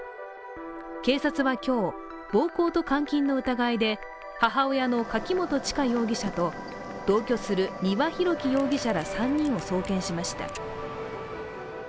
警察は今日、暴行と監禁の疑いで母親の柿本知香容疑者と同居する丹羽洋樹容疑者ら３人を送検しました。